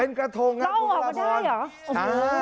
เป็นกระทงนะครับคุณกลาวบอน